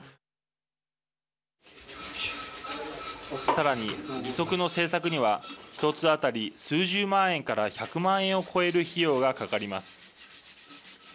さらに義足の製作には１つ当たり数十万円から１００万円を超える費用がかかります。